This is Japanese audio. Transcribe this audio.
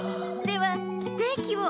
ではステーキを。